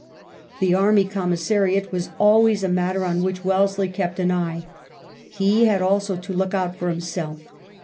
The army commissariat was always a matter on which Welles ley kept an eye. He had also to look out for himself.